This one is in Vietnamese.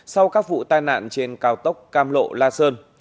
sau các vụ tai nạn trên cao tốc cam lộ la sơn